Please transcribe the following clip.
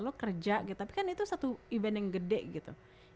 lo kerja gitu tapi kan itu satu event yang gede gitu